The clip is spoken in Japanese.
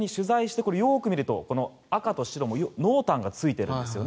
これ、よく見ると赤と白も濃淡がついてるんですよね。